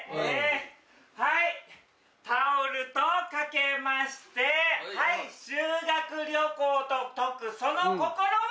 はいタオルと掛けまして修学旅行と解くその心は！